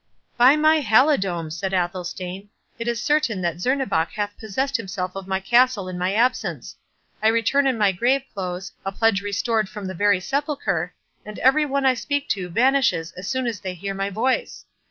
"By my halidome!" said Athelstane, "it is certain that Zernebock hath possessed himself of my castle in my absence. I return in my grave clothes, a pledge restored from the very sepulchre, and every one I speak to vanishes as soon as they hear my voice!